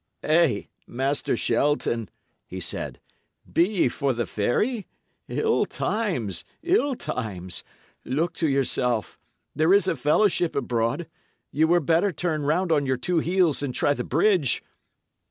"Hey, Master Shelton," he said, "be ye for the ferry? Ill times, ill times! Look to yourself. There is a fellowship abroad. Ye were better turn round on your two heels and try the bridge."